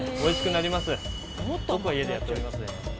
僕は家でやっておりますね。